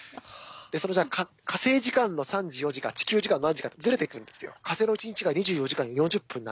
じゃあ火星時間の３時４時が地球時間の何時かってずれてくるんですよ。